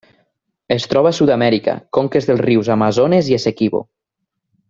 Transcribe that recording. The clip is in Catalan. Es troba a Sud-amèrica: conques dels rius Amazones i Essequibo.